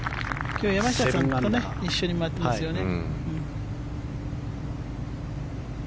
今日、山下さんと一緒に回ってますよね。